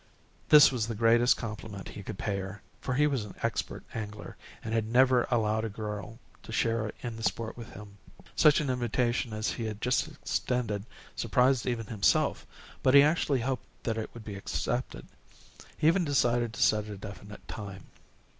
This was the greatest compliment he could pay her, for he was an expert angler, and had never allowed a girl to share in the sport with him. Such an invitation as he had just extended surprised even himself, but he actually hoped that it would be accepted. He even decided to set a definite time.